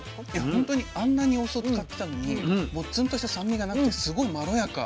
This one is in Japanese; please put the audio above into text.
本当にあんなにお酢を使ってたのにもうツンとした酸味がなくてすごいまろやか。